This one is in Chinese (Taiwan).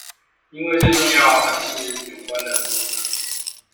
因為最重要還是有關的部分